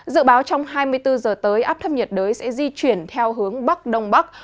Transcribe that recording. dự báo trong hai mươi bốn giờ tới áp thấp nhiệt đới sẽ di chuyển theo hướng bắc đông bắc